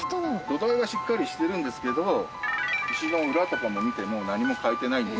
土台はしっかりしてるんですけど石の裏とかも見ても何も書いてないんですよ。